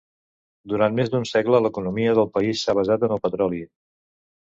Durant més d'un segle l'economia del país s'ha basat en el petroli.